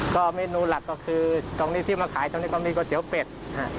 ก็เมนูหลักก็คือตรงนี้ที่มาขายตรงนี้ก็มีก๋วยเตี๋ยวเป็ดฮะ